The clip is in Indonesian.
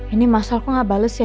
ini masalku gak bales ya